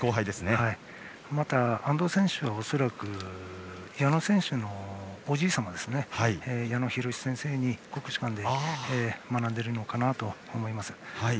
また、安藤選手は恐らく矢野選手のおじいさまに国士舘で学んでいるのかなと思います。